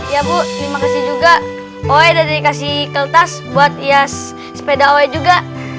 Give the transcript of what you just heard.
ya bu terima kasih juga oe udah dikasih kertas buat ya sepeda oe juga